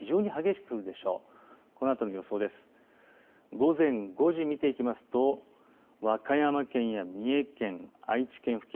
午前５時、見ていきますと和歌山県や三重県愛知県付近